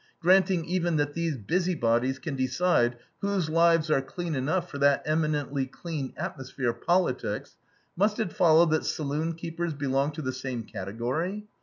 Granting even that these busybodies can decide whose lives are clean enough for that eminently clean atmosphere, politics, must it follow that saloon keepers belong to the same category?